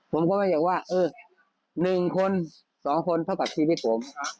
ผมก็ไม่อยากว่าเออ๑คน๒คนเท่ากับชีวิตผม